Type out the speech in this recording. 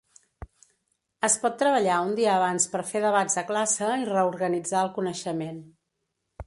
Es pot treballar un dia abans per fer debats a classe i reorganitzar el coneixement.